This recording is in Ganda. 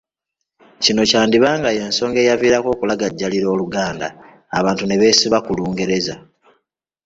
Kino kyandiba nga y’ensonga eyaviirako okulagajjalira Oluganda abantu ne beesiba ku Lungereza